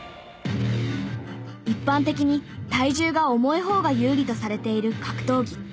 一般的に体重が重い方が有利とされている格闘技。